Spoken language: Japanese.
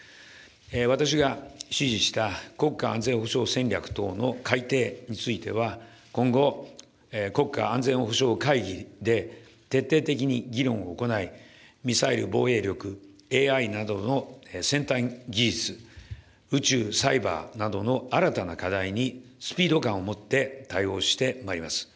私が指示した国家安全保障戦略等の改定については、今後、国家安全保障会議で、徹底的に議論を行い、ミサイル防衛力、ＡＩなどの先端技術、宇宙、サイバーなどの新たな課題にスピード感を持って対応してまいります。